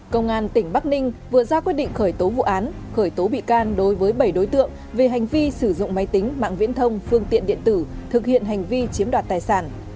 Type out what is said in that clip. công an tỉnh bắc ninh vừa ra quyết định khởi tố vụ án khởi tố bị can đối với bảy đối tượng về hành vi sử dụng máy tính mạng viễn thông phương tiện điện tử thực hiện hành vi chiếm đoạt tài sản